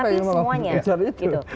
sebetulnya pengen mengucapkan itu